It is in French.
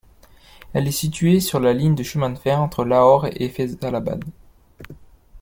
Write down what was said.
Elle est située sur la ligne de chemin de fer entre Lahore et Faisalabad.